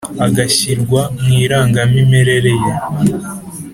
agashyirwa mu irangamimerere ye